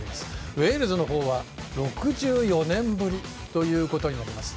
ウェールズのほうは６４年ぶりということになります。